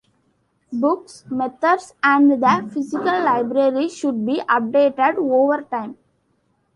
Books, methods, and the physical library should be updated over time.